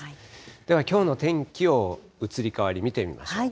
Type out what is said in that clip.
ではきょうの天気を移り変わり、見ていきましょう。